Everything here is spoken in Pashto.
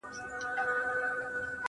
زما په سترگو كي را رسم كړي.